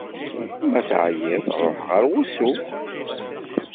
Ma teɛyiḍ, ṛuḥ ɣer wusu.